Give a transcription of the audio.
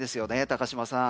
高島さん。